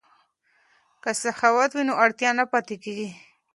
که سخاوت وي نو اړتیا نه پاتیږي.